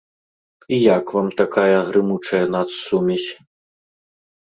І як вам такая грымучая нацсумесь?